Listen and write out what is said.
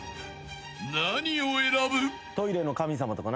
［何を選ぶ？］